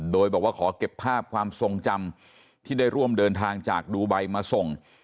โดยบอกว่าขอเก็บภาพความทรงจำที่ได้ร่วมเดินทางจากดูไบมาส่ง